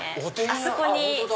あそこに。